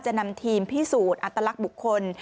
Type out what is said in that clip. จะนำทีมพี่สูตรอัตลักษณ์บุคคล